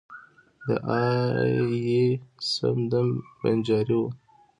دای یې سم دم بنجارۍ و.